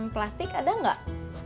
plastik ada enggak